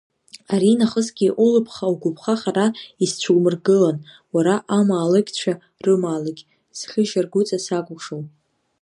Аринахысгьы улыԥха-угәыԥха хара исцәумыргылан, уара амаалықьцәа рымаалықь, зхьы шьаргәыҵа сакәыхшоу.